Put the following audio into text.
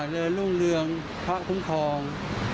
เรือนรุ่งเรืองพระคุณทอง